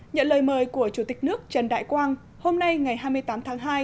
nhận lời mời của chủ tịch nước trần đại quang hôm nay ngày hai mươi tám tháng hai